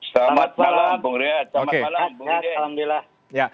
selamat malam bung riden